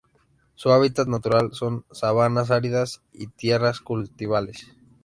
Su hábitat natural son: sabanas áridas, y tierras cultivables.